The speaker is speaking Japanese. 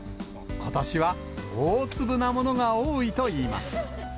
ことしは大粒なものが多いといいます。